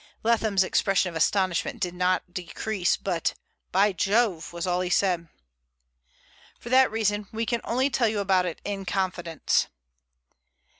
Leatham's expression of astonishment did not decrease, but "By Jove!" was all he said. "For that reason we can only tell you about it in confidence."